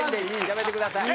やめてください。